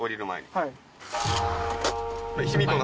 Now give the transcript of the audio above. はい。